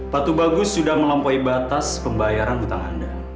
patu bagus sudah melampaui batas pembayaran utang anda